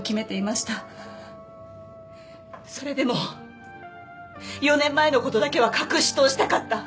それでも４年前の事だけは隠し通したかった。